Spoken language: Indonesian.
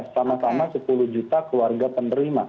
sama sama sepuluh juta keluarga penerima